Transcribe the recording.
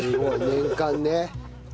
年間ね。